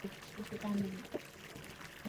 摩拉于早年在干多足球会担任门将。